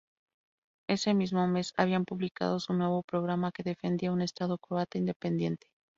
Ese mismo mes habían publicado su nuevo programa, que defendía un Estado croata independiente.